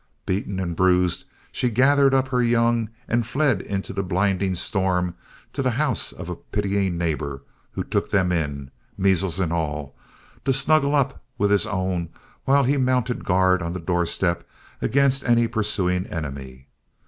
Beaten and bruised, she gathered up her young and fled into the blinding storm to the house of a pitying neighbor, who took them in, measles and all, to snuggle up with his own while he mounted guard on the doorstep against any pursuing enemy.